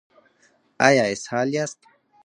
ایا اسهال یاست؟